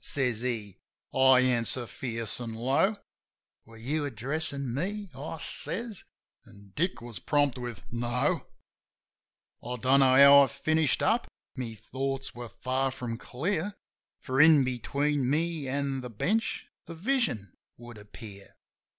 says he. I answer fierce an' low: "Were you addressin' me ?" I says ; an' Dick was prompt with "No !" I don't know how I finished up; my thoughts were far from clear ; For, in between me an' the bench, that vision would appear.